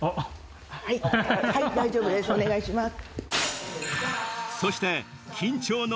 はいはい大丈夫ですお願いします。